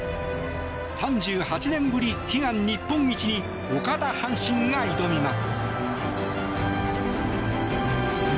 ３８年ぶり、悲願日本一に岡田阪神が挑みます。